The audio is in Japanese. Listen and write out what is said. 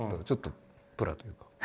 「ちょっとプラ」。